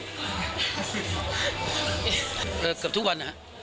เกือบทุกวันอะ